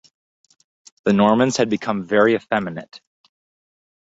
The Normans had become very effeminate.